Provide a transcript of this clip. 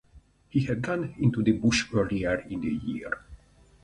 He had gone into the bush earlier in the year.